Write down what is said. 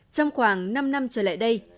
trong khoảng năm năm trở lại đây